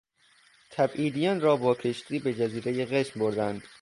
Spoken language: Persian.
تبعیدیان را با کشتی به جزیرهی قشم بردند.